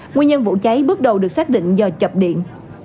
nguyên nhân vụ cháy bước đầu được xác định do chập điện